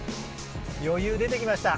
余裕出て来ました。